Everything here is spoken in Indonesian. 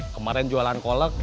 kemaren jualan kolek